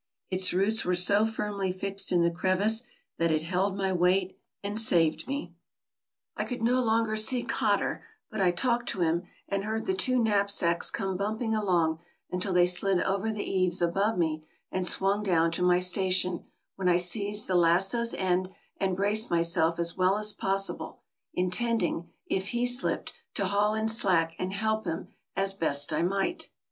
Its roots were so firmly fixed in the crevice that it held my weight and saved me. I could no longer see Cotter, but I talked to him, and heard the two knapsacks come bumping along until they slid over the eaves above me and swung down to my sta tion, when I seized the lasso's end and braced myself as well as possible, intending, if he slipped, to haul in slack and help him as best I might.